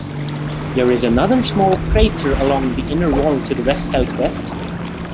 There is another small crater along the inner wall to the west-southwest.